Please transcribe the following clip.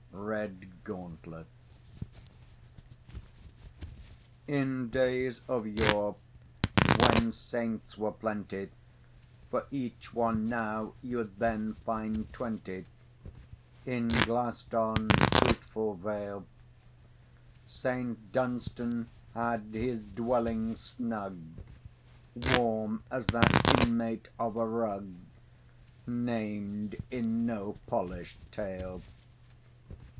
REDGAUNTLET. ST. DUNSTAN AND THE DEVIL. In days of yore, when saints were plenty, (For each one now, you'd then find twenty,) In Glaston's fruitful vale, Saint Dunstan had his dwelling snug, Warm as that inmate of a rug, Named in no polished tale.